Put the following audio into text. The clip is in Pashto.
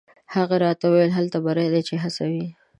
هغه راته وایي: «هلته بری دی چې هڅه وي».